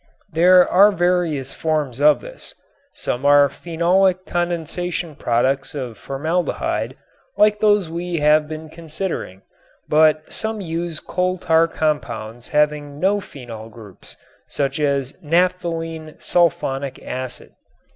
There are various forms of this. Some are phenolic condensation products of formaldehyde like those we have been considering, but some use coal tar compounds having no phenol groups, such as naphthalene sulfonic acid.